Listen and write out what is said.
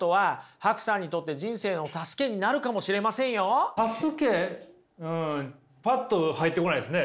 なおさらねパッと入ってこないですね。